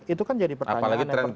itu kan jadi pertanyaan yang penting